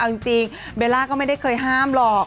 เอาจริงเบลล่าก็ไม่ได้เคยห้ามหรอก